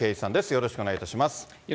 よろしくお願いします。